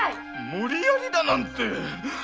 無理やりだなんて。